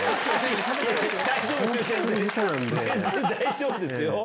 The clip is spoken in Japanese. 全然大丈夫ですよ。